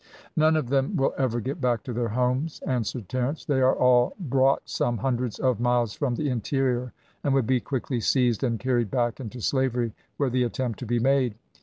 "Not one of them will ever get back to their homes," answered Terence. "They are all brought some hundreds of miles from the interior, and would be quickly seized and carried back into slavery were the attempt to be made.